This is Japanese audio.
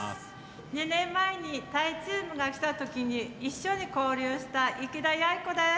２年前にタイチームが来たときに一緒に交流した池田ヤエ子です。